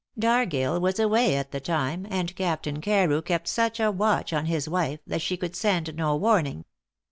Dargill was away at the time, and Captain Carew kept such a watch on his wife that she could send no warning.